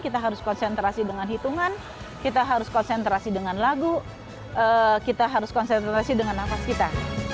kita harus konsentrasi dengan hitungan kita harus konsentrasi dengan lagu kita harus konsentrasi dengan nafas kita